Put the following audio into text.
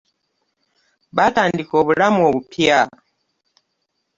Batandika obulamu obupya.